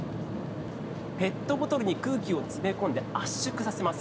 ペットボトルに空気を詰め込んで圧縮させます。